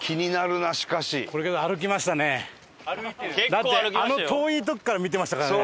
だってあの遠いとこから見てましたからね